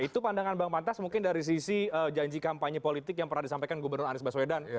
itu pandangan bang pantas mungkin dari sisi janji kampanye politik yang pernah disampaikan gubernur anies baswedan